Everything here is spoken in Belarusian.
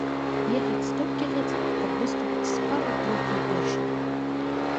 Ехаць столькі гадзін, каб выступіць з парай-тройкай вершаў.